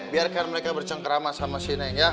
biarkan mereka bercengkerama sama sini ya